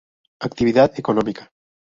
Actividad económica.